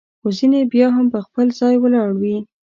خو ځیني بیا هم پر خپل ځای ولاړ وي.